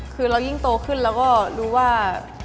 คือเรายิ่งโตขึ้นแล้วก็รู้ว่า